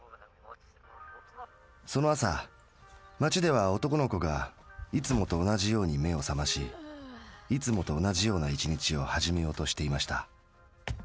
その朝町では男の子がいつもと同じように目を覚ましいつもと同じような一日をはじめようとしていました。